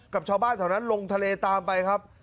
กับชาวบ้านแถวนั้นลงทะเลตามไปครับ